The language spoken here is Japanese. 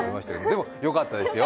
でも、よかったですよ。